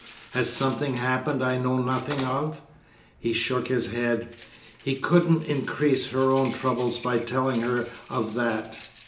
Has something happened I know nothing of?" He shook his head. He couldn't increase her own trouble by telling her of that.